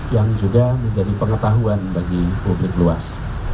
yang juga menjadi pengetahuan bagi publik luas